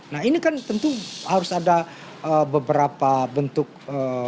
nah ini kan tentu harus ada beberapa bentuk pidana yang harus jelas